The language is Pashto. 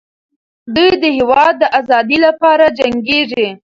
دوی د هېواد د ازادۍ لپاره جنګېږي.